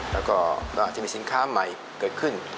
แล้วก็อาจจะมีสินค้าใหม่เกิดขึ้น